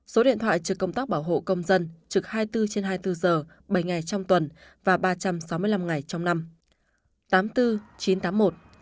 số điện thoại trực công tác bảo hộ công dân trực hai mươi bốn trên hai mươi bốn giờ bảy ngày trong tuần và ba trăm sáu mươi năm ngày trong năm